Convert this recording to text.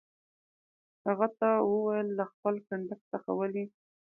هغه ته وویل: له خپل کنډک څخه ولې.